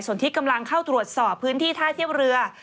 ส่วนที่กำลังเข้าตรวจสอบพื้นที่ท่าเทียบเรือ